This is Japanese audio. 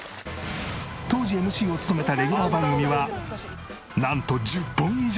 当時ＭＣを務めたレギュラー番組はなんと１０本以上！